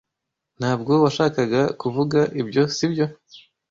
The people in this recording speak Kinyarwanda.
Ntabwo washakaga kuvuga ibyo, sibyo?